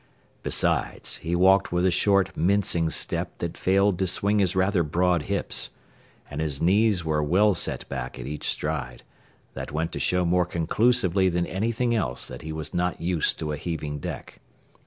Besides, he walked with a short mincing step that failed to swing his rather broad hips, and his knees were well set back at each stride, that went to show more conclusively than anything else that he was not used to a heaving deck.